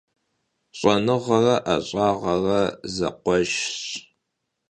Ş'enığere 'eş'ağere zekhueşşş.